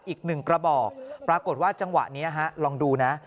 อีกหนึ่งกระบอกปรากฏว่าจังหวะนี้ฮะลองดูนะ